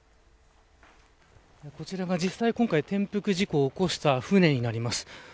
こちらが実際、今回転覆事故を起こした船になります。